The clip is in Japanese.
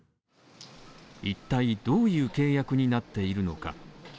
一体どういう契約になっているのか。